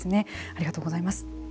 ありがとうございます。